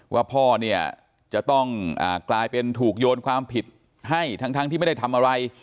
ว่าพ่อเนี่ยจะต้องกลายเป็นถูกโยนความผิดให้ทั้งที่ไม่ได้ทำอะไร